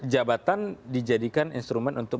jabatan dijadikan instrumen untuk